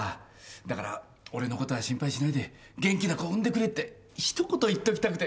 だから俺の事は心配しないで元気な子を産んでくれってひと言言っときたくて。